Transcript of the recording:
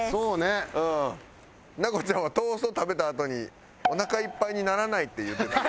奈子ちゃんはトースト食べたあとにおなかいっぱいにならないって言ってた。